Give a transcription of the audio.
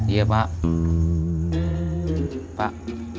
iya pak pak